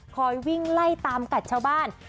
คอยวิ่งไล่ตามกัดชาวบ้าน